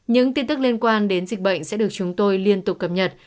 những tin tức liên quan đến dịch bệnh sẽ được chúng tôi liên tục cập nhật